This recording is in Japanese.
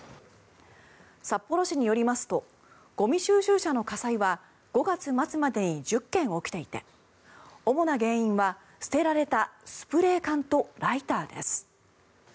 札幌市によりますとゴミ収集車の火災は５月末までに１０件起きていて主な原因は捨てられたスプレー缶とライターです。